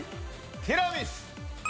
ティラミス！